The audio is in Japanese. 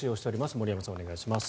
森山さん、お願いします。